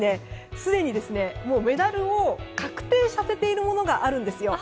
すでにメダルを確定させているものがあるんですよ。